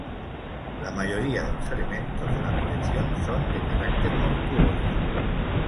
La mayoría de los elementos de la colección son de carácter mortuorio.